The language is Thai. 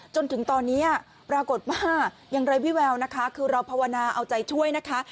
จนถึงตอนนี้ปรากฏว่าอย่างไร้วิแววนะคะคือเราภาวนาเอาใจช่วยนะคะ